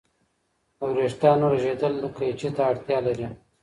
د وریښتانو رژیدل قیچي ته اړتیا لري.